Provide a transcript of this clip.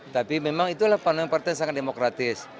tapi memang itu adalah pan yang sangat demokratis